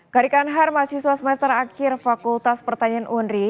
garikan har mahasiswa semester akhir fakultas pertanian undri